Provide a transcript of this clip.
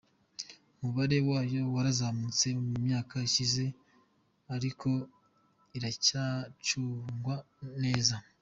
Umubare wayo warazamutse mu myaka ishize ariko iracyacungwa neza.